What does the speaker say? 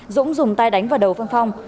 dũng dùng tay đánh vào đầu phân phong